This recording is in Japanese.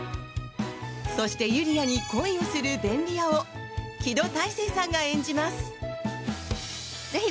そして、ゆりあに恋をする便利屋を木戸大聖さんが演じます。